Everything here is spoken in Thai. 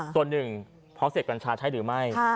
ส่วนหนึ่งเพราะเสพกัญชาใช่หรือไม่